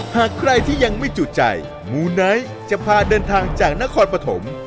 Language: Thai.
หากใครที่ยังไม่จุดใจมูไนท์จะพาเดินทางจากนครปฐม